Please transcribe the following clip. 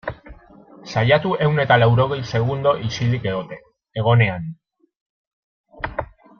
Saiatu ehun eta laurogei segundo isilik egoten, egonean.